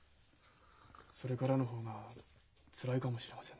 それからの方がつらいかもしれませんね。